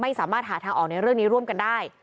ไม่สามารถหาทางออกในเรื่องนี้ร่วมกันได้